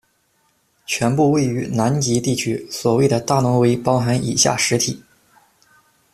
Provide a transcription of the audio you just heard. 全部位于南极地区：所谓的大挪威包含以下实体：